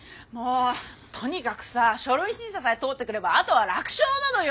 とにかくさ書類審査さえ通ってくれればあとは楽勝なのよ。